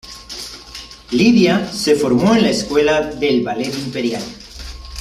Lidia se formó en la Escuela del Ballet Imperial.